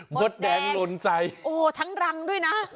หมดแดงลนใจหมดแดงโอ้ทั้งรังด้วยนะ